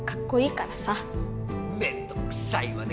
めんどくさいわね。